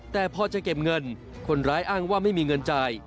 แต่พอจะเก็บเงินคนร้ายอ้างว่าไม่มีเงินจ่าย